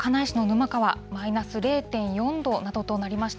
稚内市の沼川、マイナス０．４度などとなりました。